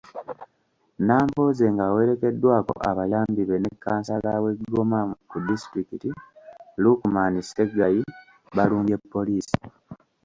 Nambooze ng'awerekeddwako abayambi be ne kkansala w'e Goma ku disitulikiti, Lukeman Ssegayi, balumbye poliisi.